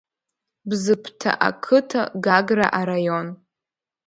Бзыԥҭа ақыҭа, Гагра араион.